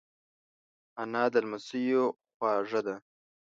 انا د لمسیو خواږه ده